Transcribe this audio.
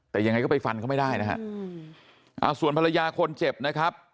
แต่ยังไงก็ไปฟันเขาไม่ได้นะฮะอ่าส่วนภรรยาคนเจ็บนะครับ